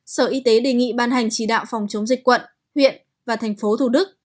sở y tế đề nghị ban hành chỉ đạo phòng chống dịch quận huyện và thành phố thủ đức